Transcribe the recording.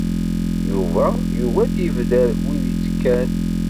Yuba yugi ad d-yebder wid ittekkan.